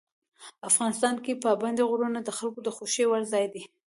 افغانستان کې پابندي غرونه د خلکو د خوښې وړ ځای دی.